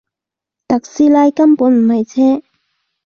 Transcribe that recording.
特斯拉根本唔係車